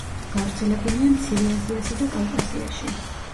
გავრცელებულია მცირე აზიასა და კავკასიაში.